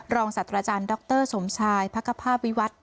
รองสัตว์อาจารย์ดรสมชายภักษภาพวิวัฒน์